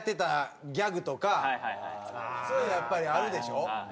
そういうのやっぱりあるでしょ？